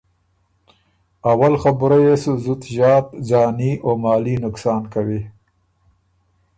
اول خبُره يې سُو زُت ݫات ځاني او مالي نقصان کوی،